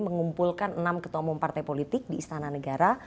mengumpulkan enam ketua umum partai politik di istana negara